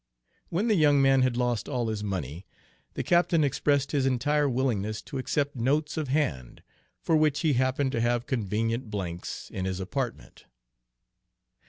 When the young man had lost all his money, the captain expressed his entire willingness to accept notes of hand, for which he happened to have convenient blanks in his apartment.